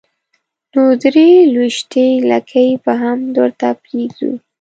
نو درې لوېشتې لکۍ به هم درته پرېږدو.